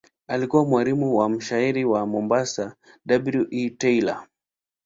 Alikuwa mwalimu wa mshairi wa Mombasa W. E. Taylor.